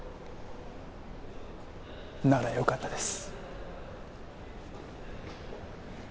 ならよかったです。